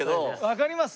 わかります？